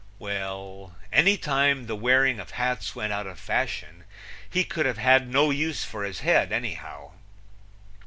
Well, any time the wearing of hats went out of fashion he could have had no use for his head, anyhow.